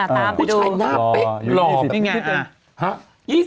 ตามดูหล่อยังไง